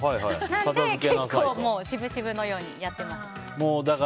なので結構しぶしぶのようにやってます。